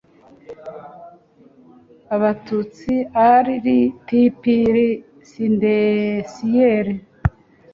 Abatutsi Arr t pr sidentiel